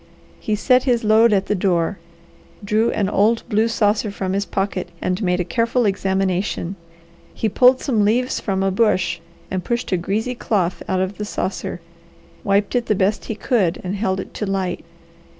He set his load at the door, drew an old blue saucer from his pocket and made a careful examination. He pulled some leaves from a bush and pushed a greasy cloth out of the saucer, wiped it the best he could, and held it to light.